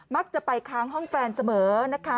มักจะไปค้างห้องแฟนเสมอนะคะ